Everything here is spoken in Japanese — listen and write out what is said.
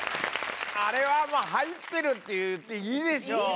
あれはもう「入ってる」って言っていいでしょう。